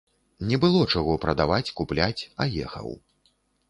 Не было чаго прадаваць, купляць, а ехаў.